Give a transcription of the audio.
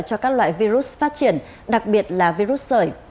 cho các loại virus phát triển đặc biệt là virus sởi